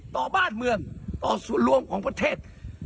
ต่อบ้านเมืองต่อส่วนรวมของประเทศ